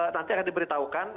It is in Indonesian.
nanti akan diberitahukan